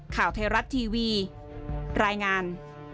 ข่าวไทยรัฐทีวีรายงาน